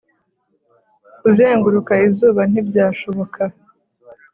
kuzenguruka izuba ntibyashoboka